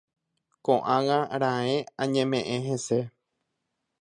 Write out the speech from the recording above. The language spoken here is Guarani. Ko'ág̃a raẽ añeme'ẽ hese